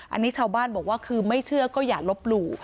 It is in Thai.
อันนี้ชาวบ้านบอกว่าคือไม่เชื่อก็อย่าลบหลู่